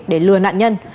để lừa nạn nhân